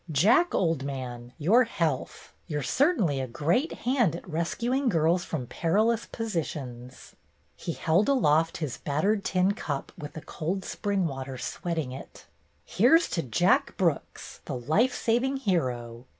"Jack, old man, your health! You're certainly a great hand at rescuing girls from perilous positions." He held aloft his battered tin cup with the cold spring water sweating it. "Here 's to Jack Brooks, the life saving hero!